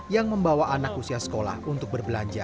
yang membawa anak usia sekolah untuk berbelanja